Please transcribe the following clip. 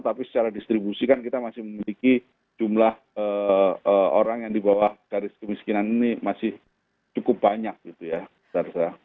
tapi secara distribusi kan kita masih memiliki jumlah orang yang di bawah garis kemiskinan ini masih cukup banyak gitu ya sarza